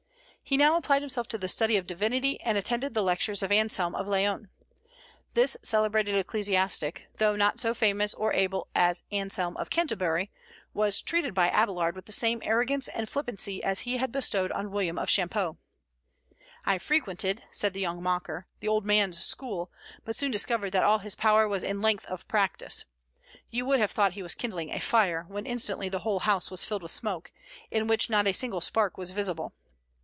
He now applied himself to the study of divinity, and attended the lectures of Anselm of Laon. This celebrated ecclesiastic, though not so famous or able as Anselm of Canterbury, was treated by Abélard with the same arrogance and flippancy as he had bestowed on William of Champeaux. "I frequented," said the young mocker, "the old man's school, but soon discovered that all his power was in length of practice. You would have thought he was kindling a fire, when instantly the whole house was filled with smoke, in which not a single spark was visible.